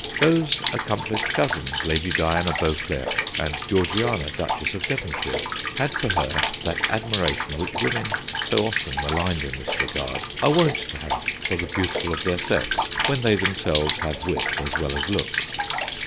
Those accomplished cousins, Lady Diana Beauclerck and Geor giana, Duchess of Devonshire, had for her that admiration which women (so often maligned in this regard) are wont to have for the beautiful of their sex, when they GREVILLE 183 themselves have wit as well as looks.